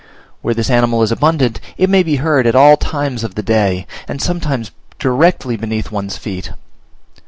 Where this animal is abundant, it may be heard at all times of the day, and sometimes directly beneath one's feet.